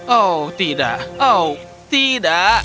oh tidak oh tidak